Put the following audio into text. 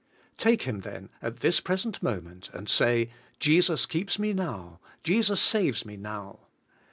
Take Him then at this present moment, and say, 'Jesus keeps me now, Jesus saves me now.'